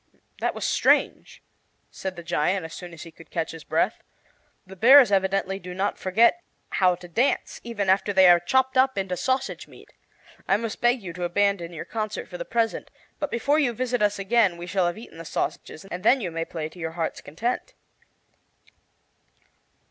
"That was strange," said the giant, as soon as he could catch his breath; "the bears evidently do not forget how to dance even after they are chopped up into sausage meat. I must beg you to abandon your concert for the present, but before you visit us again we shall have eaten the sausages, and then you may play to your heart's content."